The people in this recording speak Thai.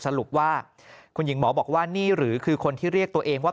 สรุปว่าคุณหญิงหมอบอกว่านี่หรือคือคนที่เรียกตัวเองว่า